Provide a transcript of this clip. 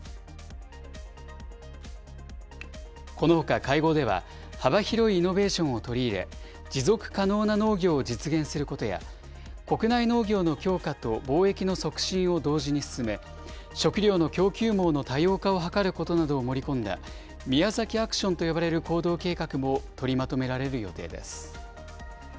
このほか会合では、幅広いイノベーションを取り入れ、持続可能な農業を実現することや、国内農業の強化と貿易の促進を同時に進め、食料の供給網の多様化を図ることなどを盛り込んだ、宮崎アクションと呼ばれる行動計画も取りまとめられる予定です。